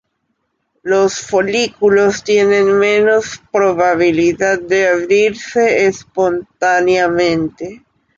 Los folículos tienen menos probabilidad de abrirse espontáneamente.